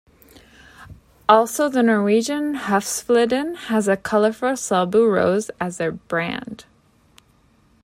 Also the Norwegian Husfliden has a colorful Selbu rose as their brand.